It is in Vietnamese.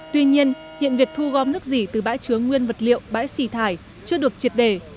tuy nhiên hiện việc thu gom nước dỉ từ bãi chứa nguyên vật liệu bãi xỉ thải chưa được triệt đề